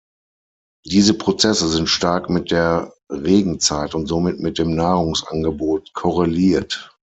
Diese Prozesse sind stark mit der Regenzeit und somit mit dem Nahrungsangebot korreliert.